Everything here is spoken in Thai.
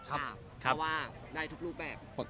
ครับประว่างได้ทุกรูปแบบ